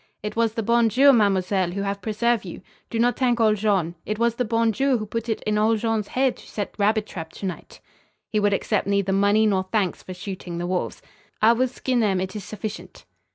"It was the Bon Dieu, mademoiselle, who have preserve you. Do not t'ank ole Jean. It was the Bon Dieu who put it in ole Jean's haid to set rabbit trap to night." He would accept neither money nor thanks for shooting the wolves. "I will skin them. It is sufficient."